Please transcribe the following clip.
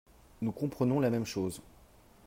Nous comprenons la même chose